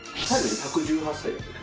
１０８歳。